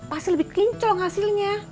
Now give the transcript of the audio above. pasti lebih kinclong hasilnya